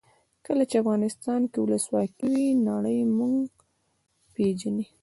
کله چې افغانستان کې ولسواکي وي نړۍ موږ پېژني.